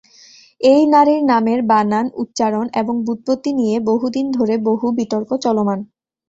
এই নারীর নামের বানান, উচ্চারণ, এবং ব্যুৎপত্তি নিয়ে বহুদিন ধরে বহু বিতর্ক চলমান।